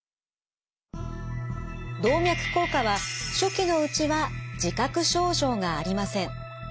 動脈硬化は初期のうちは自覚症状がありません。